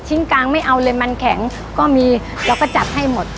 กลางไม่เอาเลยมันแข็งก็มีเราก็จัดให้หมด